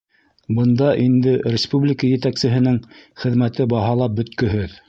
Бында инде республика етәксеһенең хеҙмәте баһалап бөткөһөҙ.